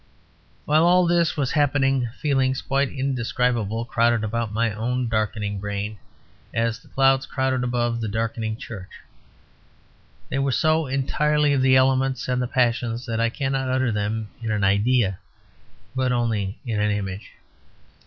While all this was happening feelings quite indescribable crowded about my own darkening brain, as the clouds crowded above the darkening church. They were so entirely of the elements and the passions that I cannot utter them in an idea, but only in an image.